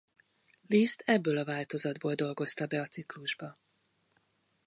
Liszt ebből a változatból dolgozta be a ciklusba.